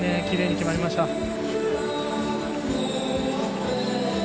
きれいに決まりました。